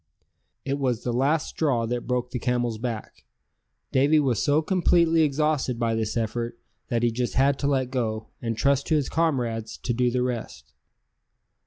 It was the last straw that broke the camel's back; Davy was so completely exhausted by this effort that he just had to let go, and trust to his comrades to do the rest.